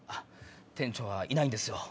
店長はいないんですよ。